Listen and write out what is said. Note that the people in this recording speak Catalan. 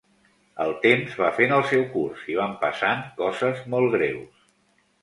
El temps va fent el seu curs i van passant coses molts greus.